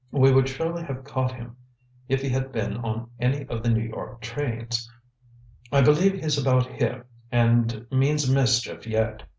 We would surely have caught him if he had been on any of the New York trains. I believe he's about here and means mischief yet."